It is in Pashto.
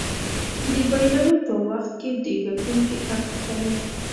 د بایللو په وخت کې د ګټونکي اکټ کوه.